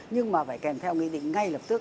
nhưng mà phải kèm theo nghị định ngay lập tức